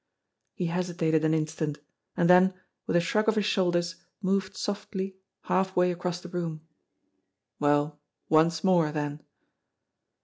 He hesi tated an instant, and then, with a shrug of his shoulders, moved softly halfway across the room. Well, once more, then!